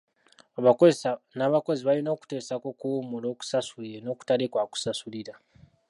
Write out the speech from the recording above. Abakozesa n'abakozi balina okuteesa ku kuwummula okusasulire n'okutali kwa kusasulira.